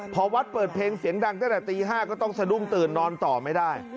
พอวัดเปิดเพลงเสียงดังตั้งแต่ตี๕ก็ต้องสะดุ้งตื่นนอนต่อไม่ได้